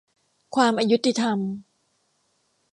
ความอยุติธรรม